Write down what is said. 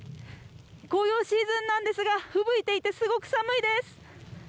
紅葉シーズンなんですが、ふぶいていてすごく寒いです。